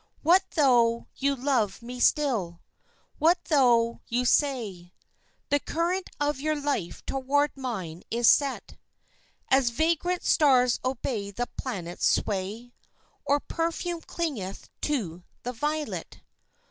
What tho' you love me still? What tho' you say The current of your life toward mine is set, As vagrant stars obey the planets' sway, Or perfume clingeth to the violet?